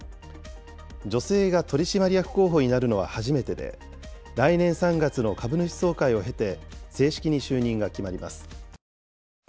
女性が取締役候補になるのは初めてで、来年３月の株主総会を経て、正式に就任が決まります。